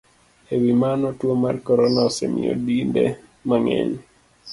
E wi mano, tuo mar corona osemiyo dinde mang'eny